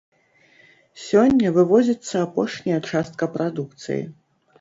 Сёння вывозіцца апошняя частка прадукцыі.